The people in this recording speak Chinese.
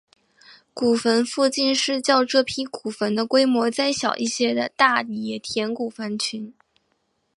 古坟附近是较这批古坟的规模再小一些的大野田古坟群。